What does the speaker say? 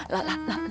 lah lah lah